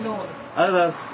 ありがとうございます。